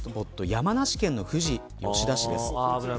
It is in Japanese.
山梨県の富士吉田市です。